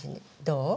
どう？